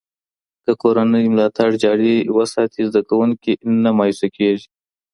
که کورنۍ ملاتړ جاري وساتي، زده کوونکی نه مایوسه کېږي.